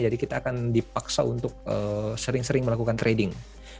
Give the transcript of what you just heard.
jadi kita akan dipaksa untuk sering sering melakukan trading